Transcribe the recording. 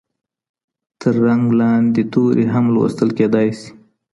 تر رنګ لاندې توري هم لوستل کېدای سی.